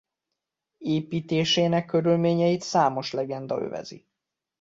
Építésének körülményeit számos legenda övezi.